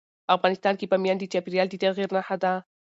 افغانستان کې بامیان د چاپېریال د تغیر نښه ده.